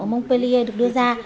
ở montpellier được đưa ra